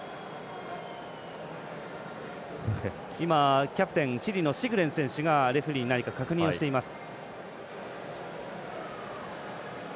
今、キャプテンチリのシグレン選手がレフリーに何か確認をしています。